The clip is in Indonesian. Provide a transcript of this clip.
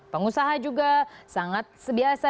pengusaha juga sangat sebiasa